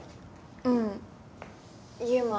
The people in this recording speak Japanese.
うん祐馬